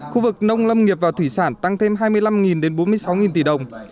khu vực nông lâm nghiệp và thủy sản tăng thêm hai mươi năm đến bốn mươi sáu tỷ đồng